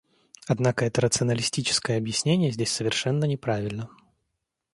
Однако это рационалистическое объяснение здесь совершенно неправильно.